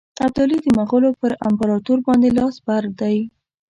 ابدالي د مغولو پر امپراطور باندي لاس بر دی.